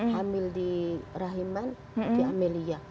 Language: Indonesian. hamil di rahiman di amelia